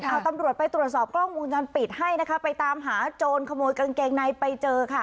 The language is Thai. เอาตำรวจไปตรวจสอบกล้องวงจรปิดให้นะคะไปตามหาโจรขโมยกางเกงในไปเจอค่ะ